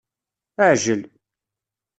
Aεjel